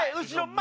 前！